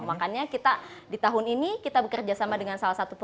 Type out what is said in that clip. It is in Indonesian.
makanya kita di tahun ini kita bekerja sama dengan salah satu perusahaan